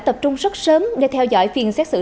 tập trung rất sớm để theo dõi phiên xét xử